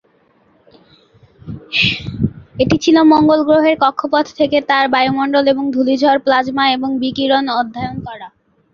এটি ছিল মঙ্গল গ্রহের কক্ষপথ থেকে তার বায়ুমণ্ডল এবং ধূলিঝড়, প্লাজমা এবং বিকিরণ অধ্যয়ন করা।